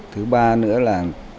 thứ ba nữa là